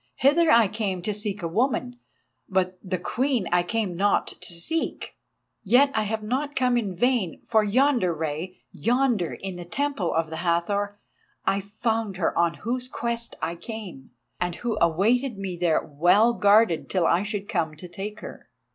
Hither I came to seek a woman, but the Queen I came not to seek. Yet I have not come in vain, for yonder, Rei, yonder, in the Temple of the Hathor, I found her on whose quest I came, and who awaited me there well guarded till I should come to take her.